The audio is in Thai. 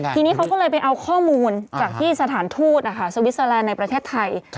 ทีนี้เขาก็เลยไปเอาข้อมูลจากที่สถานทูตสวิสเตอร์แลนด์ในประเทศไทย